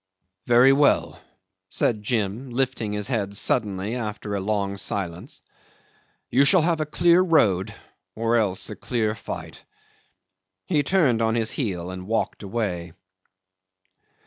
'"Very well," said Jim, lifting his head suddenly after a long silence. "You shall have a clear road or else a clear fight." He turned on his heel and walked away.